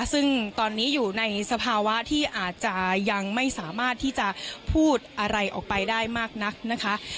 ซึ่งตอนนี้อยู่ในสภาวะที่อาจจะยังไม่สามารถที่จะพูดอะไรออกไปได้มากนักนะคะ